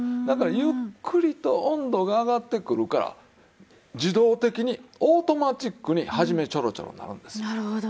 だからゆっくりと温度が上がってくるから自動的にオートマチックに「初めチョロチョロ」になるんですよ。